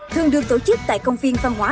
thường được tổ chức tại công viên phan hóa